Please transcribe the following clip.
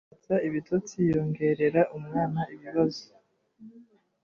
konsa ibitotsi yongorera, umwana ibibazo